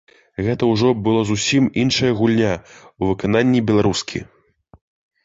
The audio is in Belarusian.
Гэта ўжо была зусім іншая гульня ў выкананні беларускі.